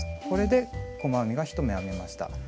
これで細編みが１目編めました。